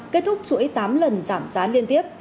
kết thúc chuỗi tám lần giảm giá liên tiếp